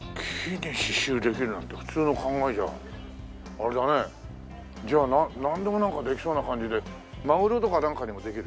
あれだねじゃあなんでもなんかできそうな感じでマグロとかなんかにもできる？